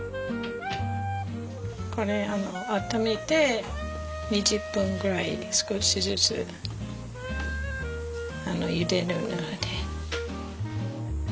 これ温めて２０分ぐらい少しずつゆでる。